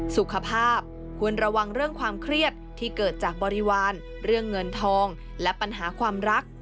สุขภาพควรระวังเรื่องความเครียดที่เกิดจากบริวารเรื่องเงินทองและปัญหาความรัก